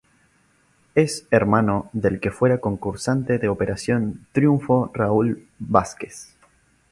Es hermano del que fuera concursante de Operación Triunfo Raoul Vázquez.